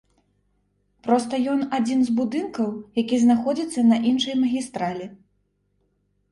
Проста ён адзін з будынкаў, які знаходзіцца на іншай магістралі.